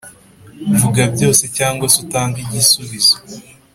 vuga byose cyangwa se utange igisubizo